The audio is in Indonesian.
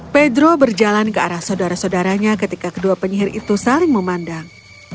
pedro berjalan ke arah saudara saudaranya ketika kedua penyihir itu saling memandang